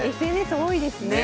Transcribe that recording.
ＳＮＳ多いですね。ね。